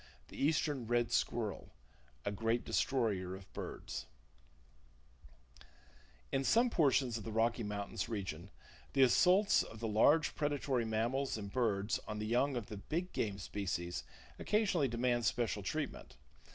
THE EASTERN RED SQUIRREL A Great Destroyer of Birds In some portions of the Rocky Mountain region, the assaults of the large predatory mammals and birds on the young of the big game species occasionally demand special treatment.